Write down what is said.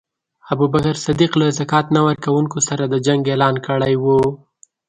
ابوبکر صدیق له ذکات نه ورکونکو سره د جنګ اعلان کړی وو.